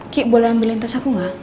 kik boleh ambilin tas aku gak